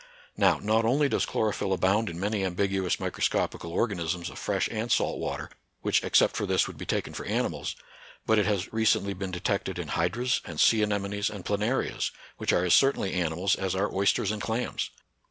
Now, not only does chlorophyll abound in many ambiguous microscopical organisms of fresh and salt water, which except for this would be taken for animals, but it has recently been detected in hydras and sea anemones and planarias, which are as certainly animals as are oysters and clams.